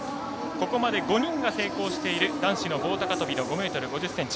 ここまで５人が成功している男子の棒高跳びの５ｍ５０ｃｍ。